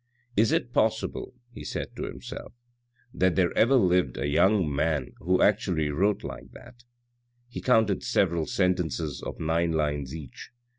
" Is it possible," he said to himself, " that there ever lived a young man who actually wrote like that." He counted several sentences of nine lines each.